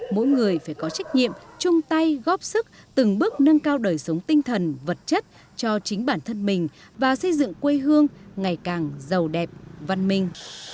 mỗi người phải có trách nhiệm chung tay góp sức từng bước nâng cao đời sống tinh thần vật chất cho chính bản thân mình và xây dựng quê hương ngày càng giàu đẹp văn minh